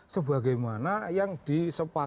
sebagaimana yang disepatkan